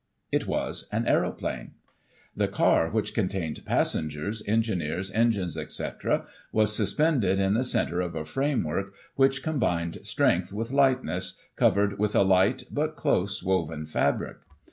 It was an aeroplane. The car which contained passengers, engineer, engines, etc, was suspended in the centre of a frame work, which combined strength with lightness, covered with a light, but close, woven fabric.